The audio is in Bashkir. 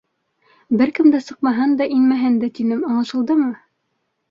— Бер кем дә сыҡмаһын да, инмәһен дә, тинем, аңлашылдымы?